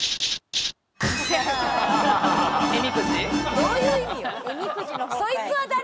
どういう意味よ？